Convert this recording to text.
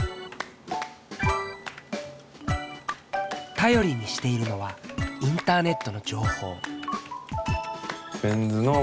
頼りにしているのはインターネットの情報。